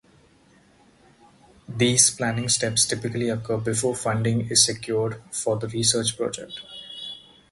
These planning steps typically occur before funding is secured for the research project.